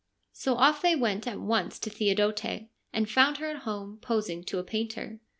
So off they went at once to Theodote, and found her at home, posing to a painter.